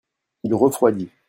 il refroidit.